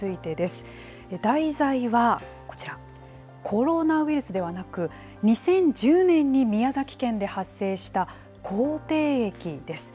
題材はこちら、コロナウイルスではなく、２０１０年に宮崎県で発生した口蹄疫です。